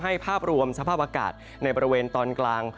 ภาพรวมสภาพอากาศในบริเวณตอนกลาง